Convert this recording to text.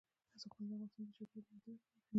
زغال د افغانستان د چاپیریال د مدیریت لپاره مهم دي.